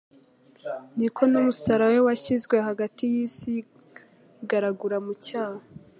niko n'umusaraba we washyizwe hagati y'isi yigaragura mu cyaha.